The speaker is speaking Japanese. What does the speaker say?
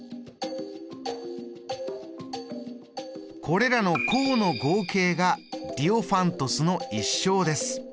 これらの項の合計がディオファントスの一生です。